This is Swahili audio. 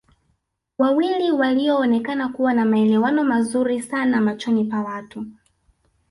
Wawili walioonekana kuwa na maelewano mazuri sana machoni pa watu